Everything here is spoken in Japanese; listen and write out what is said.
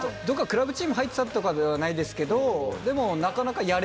どっかクラブチーム入ってたとかではないですけどでもなかなか。